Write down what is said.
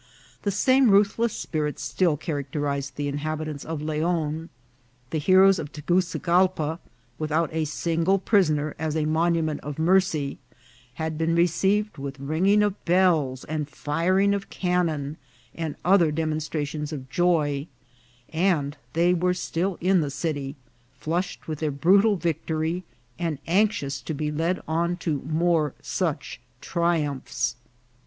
The same ruthless spirit still characterized the inhabitants of Leon. The heroes of Taguzegalpa, without a single prisoner as a monument of mercy, had been received with ringing of bells and firing of cannon, and other demonstrations of joy, and they were still in the city, flushed with their brutal vic tory, and anxious to be led on to more such triumphs.